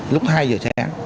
lúc hai giờ sáng